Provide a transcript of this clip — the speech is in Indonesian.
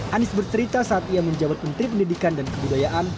anies bercerita saat ia menjabat menteri pendidikan dan kebudayaan